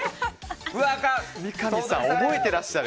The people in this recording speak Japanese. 三上さん、覚えてらっしゃる。